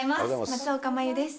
松岡茉優です。